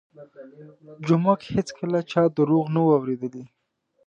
جومک هېڅکله چا درواغ نه وو اورېدلي.